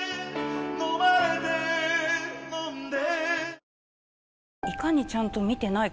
「飲まれて飲んで」